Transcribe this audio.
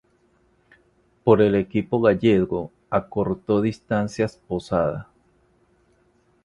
Por el equipo gallego acortó distancias Posada.